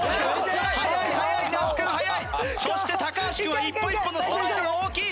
そして橋君は一歩一歩のストライドが大きい！